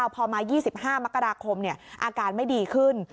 พอมา๒๕มกราคมอาการไม่ดีขึ้น